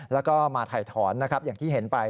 แล้วก็มาถ่ายถอนอย่างที่เห็นไป